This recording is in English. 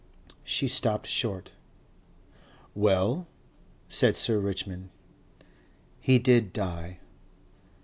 She stopped short. "Well?" said Sir Richmond. "He did die...."